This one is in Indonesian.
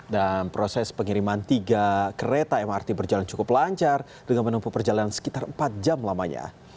dan proses pengiriman tiga kereta mrt berjalan cukup lancar dengan menempuh perjalanan sekitar empat jam lamanya